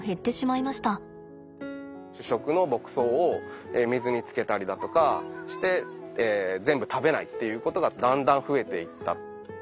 主食の牧草を水につけたりだとかして全部食べないっていうことがだんだん増えていった。